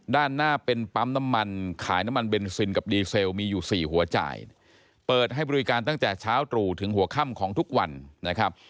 ด้านหน้าเป็นปั๊มน้ำมันขายน้ำมันเบนซินกับดีเซลมีอยู่สี่หัวจ่ายเปิดให้บริการตั้งแต่เช้าตรู่ถึงหัวค่ำของทุกวันนะครับ